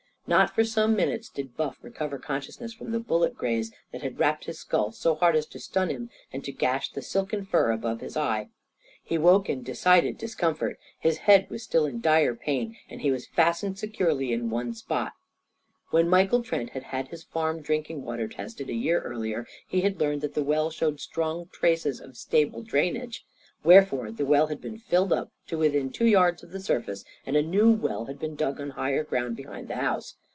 Not for some minutes did Buff recover consciousness from the bullet graze that had rapped his skull so hard as to stun him and to gash the silken fur above his eye. He woke in decided discomfort; his head was still in dire pain, and he was fastened securely in one spot. When Michael Trent had had his farm drinking water tested, a year earlier, he had learned that the well showed strong traces of stable drainage. Wherefore, the well had been filled up, to within two yards of the surface, and a new well had been dug on higher ground behind the house.